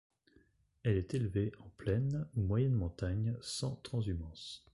Elle est élevée en plaine ou moyenne montagne sans transhumance.